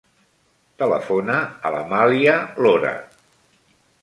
Telefona a l'Amàlia Lora.